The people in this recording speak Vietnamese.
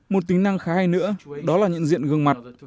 một tính năng khá hay nữa đó là nhận diện gương mặt